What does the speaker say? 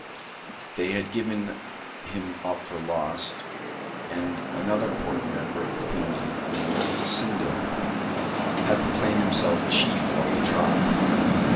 They had given him up for lost; and another important member of the community, named Sindo, had proclaimed himself chief of the tribe.